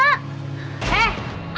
eh ada yang penuh tuh